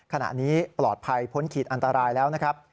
ขณะนี้ปลอดภัยพ้นขีดอันตรายแล้วนะครับ